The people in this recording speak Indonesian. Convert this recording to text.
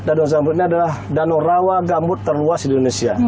danau zamrut ini adalah danau rawa gambut terluas di indonesia